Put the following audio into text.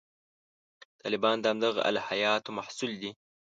طالبان د همدغه الهیاتو محصول دي.